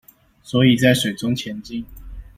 所以在水中前進